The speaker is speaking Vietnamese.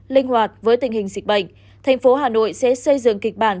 linh hoạt với tình hình dịch bệnh thành phố hà nội sẽ xây dựng kịch bản